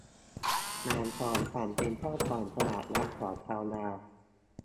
หลานของฉันเป็นเจ้าของตลาดนัดของชาวนา